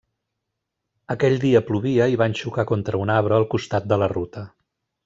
Aquell dia plovia i van xocar contra un arbre al costat de la ruta.